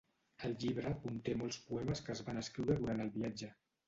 El llibre conté molts poemes que es van escriure durant el viatge.